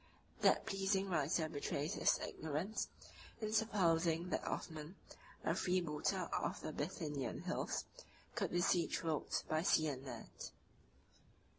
That pleasing writer betrays his ignorance, in supposing that Othman, a freebooter of the Bithynian hills, could besiege Rhodes by sea and land.